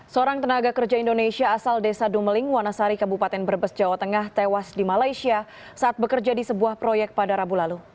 seorang tenaga kerja indonesia asal desa dumeng wanasari kabupaten brebes jawa tengah tewas di malaysia saat bekerja di sebuah proyek pada rabu lalu